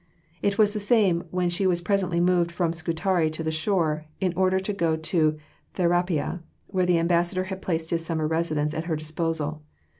" It was the same when she was presently moved from Scutari to the shore in order to go to Therapia, where the Ambassador had placed his summer residence at her disposal.